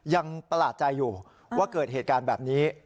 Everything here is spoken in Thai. ประหลาดใจอยู่ว่าเกิดเหตุการณ์แบบนี้